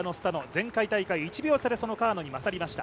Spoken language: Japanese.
前回大会、１秒差で川野に勝りました。